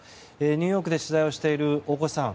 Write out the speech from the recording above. ニューヨークで取材をしている大越さん